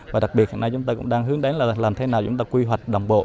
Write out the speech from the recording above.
và đặc biệt hiện nay chúng ta cũng đang hướng đến là làm thế nào chúng ta quy hoạch đồng bộ